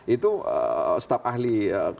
itu staff ahli kabupaten